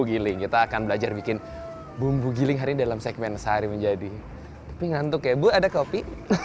giling kita akan belajar bikin bumbu giling hari dalam segmen sehari menjadi tapi ngantuk ya bu ada kopi